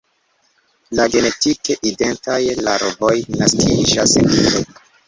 La genetike identaj larvoj naskiĝas vive.